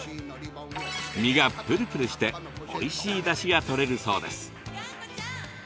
身がプルプルしておいしいだしが取れるそうです。